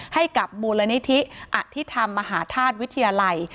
ให้กับมูลนิธิอธิธรรมมหาธาตุวิทยาลัย